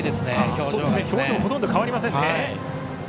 表情がほとんど変わりませんね。